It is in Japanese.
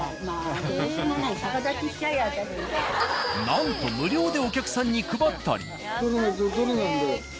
なんと無料でお客さんに配ったり。